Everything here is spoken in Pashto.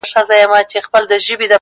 اوس يې آهونه په واوښتل.!